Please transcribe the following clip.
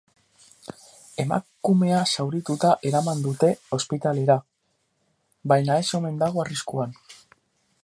Emakumea zaurituta eraman dute ospitalera, baina ez omen dago arriskuan.